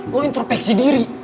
lo interpeksi diri